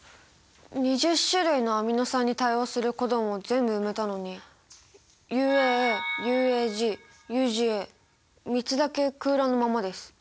２０種類のアミノ酸に対応するコドンを全部埋めたのにＵＡＡＵＡＧＵＧＡ３つだけ空欄のままです。